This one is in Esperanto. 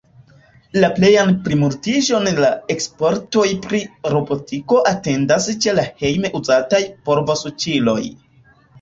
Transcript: La plejan plimultiĝon la ekspertoj pri robotiko atendas ĉe la hejme uzataj polvosuĉiloj.